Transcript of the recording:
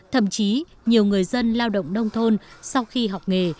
thậm chí nhiều người dân lao động nông thôn sau khi học nghề